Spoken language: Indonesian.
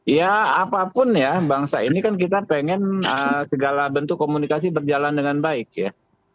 ya apapun ya bangsa ini kan kita pengen segala bentuk komunikasi berjalan dengan baik ya